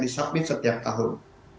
disubmit setiap tahun